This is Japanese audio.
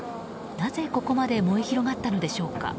なぜここまで燃え広がったのでしょうか。